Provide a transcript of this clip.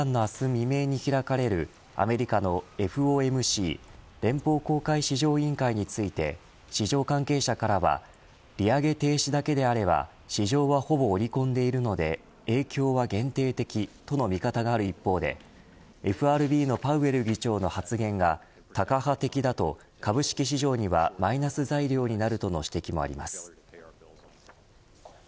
未明に開かれるアメリカのＦＯＭＣ連邦公開市場委員会について市場関係者からは利上げ停止だけであれば市場は、ほぼ織り込んでいるので影響は限定的との見方がある一方でＦＲＢのパウエル議長の発言がタカ派的だと、株式市場にはマイナス材料になるとの指摘もあります。